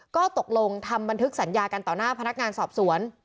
ก็ตกลงทำบันทึกสัญญากันต่อหน้าพนักงานสอบสวน